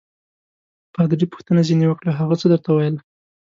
پادري پوښتنه ځینې وکړه: هغه څه درته ویل؟